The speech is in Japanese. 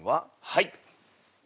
はい。